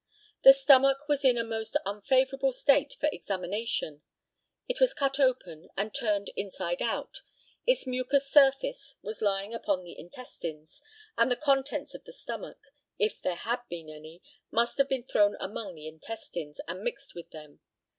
The stomach was in a most unfavourable state for examination; it was cut open, and turned inside out; its mucous surface was lying upon the intestines, and the contents of the stomach, if there had been any, must have been thrown among the intestines, and mixed with them.